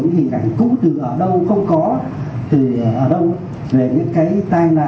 những hình ảnh cũ từ ở đâu không có từ ở đâu về những cái tai nạn